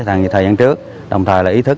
thời gian trước đồng thời là ý thức